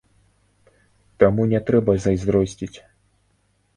Таму не трэба зайздросціць!